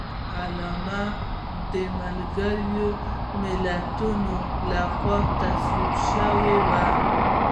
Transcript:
دا اعلامیه د ملګرو ملتونو لخوا تصویب شوه.